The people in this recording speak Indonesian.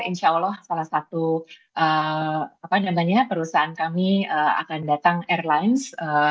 insya allah salah satu perusahaan kami akan datang airlines